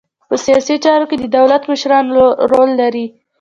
په سیاسي چارو کې د دولت مشران رول لري